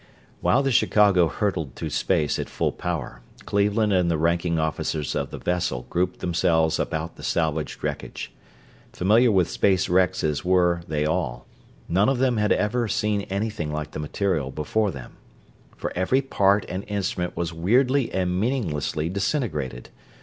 While the Chicago hurtled through space at full power, Cleveland and the ranking officers of the vessel grouped themselves about the salvaged wreckage. Familiar with space wrecks as were they all, none of them had ever seen anything like the material before them. For every part and instrument was weirdly and meaninglessly disintegrated.